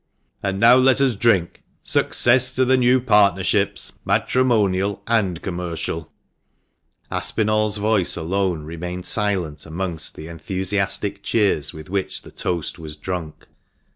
And now let us drink— ' Success to the new partnerships, matrimonial and commercial !" THE MANCHESTER MAN. 409 Aspinall's voice alone remained silent amongst the enthusiastic cheers with which the toast was drunk.